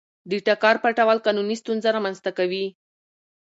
د ټکر پټول قانوني ستونزه رامنځته کوي.